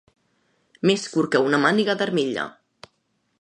Més curt que una màniga d'armilla.